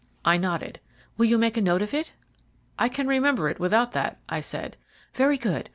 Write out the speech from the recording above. I nodded. "Will you make a note of it?" "I can remember it without that," I said. "Very good.